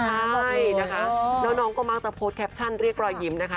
ใช่นะคะแล้วน้องก็มักจะโพสต์แคปชั่นเรียกรอยยิ้มนะคะ